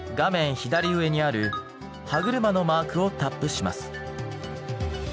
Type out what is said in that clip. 左上にある歯車のマークをタップします。